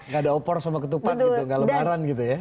gak ada opor sama ketupat gitu nggak lebaran gitu ya